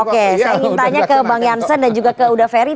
oke saya ingin tanya ke bang jansen dan juga ke uda ferry